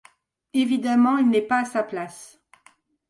Évidemment, il n’est pas à sa place.